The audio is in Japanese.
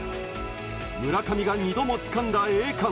村上が２度も掴んだ栄冠。